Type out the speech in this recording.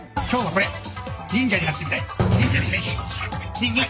ニンニン！